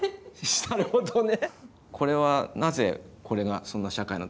なるほどね。